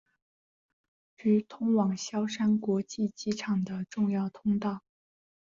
是杭州市区通往萧山国际机场的重要通道。